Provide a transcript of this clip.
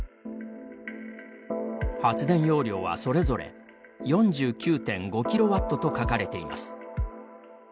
発電容量は、それぞれ４９．５キロワットと書かれています。